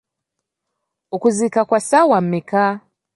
Okuziika kwa ssaawa mmeka?